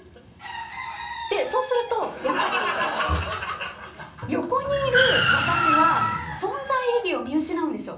でそうするとやっぱり横にいる私は存在意義を見失うんですよ。